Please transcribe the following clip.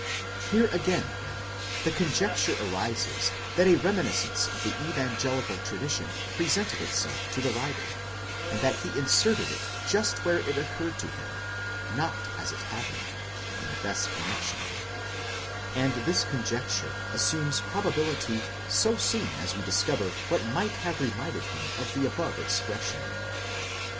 Here again, then, the conjecture arises that a reminiscence of the evangelical tradition presented itself to the writer, and that he inserted it just where it occurred to him, not, as it happened, in the best connexion; and this conjecture assumes probability so soon as we discover what might have reminded him of the above expression.